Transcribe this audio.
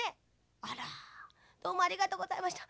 あらどうもありがとうございました。